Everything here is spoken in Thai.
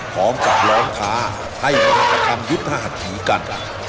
พร้อมกับร้องค้าให้มากระทำยุทธหัสถีกัน